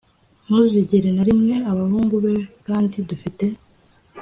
Ntuzigere na rimwe abahungu be kandi dufite